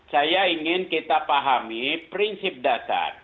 saya ingin kita pahami prinsip dasar